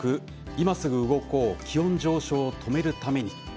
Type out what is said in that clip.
いますぐ動こう、気温上昇を止めるために。」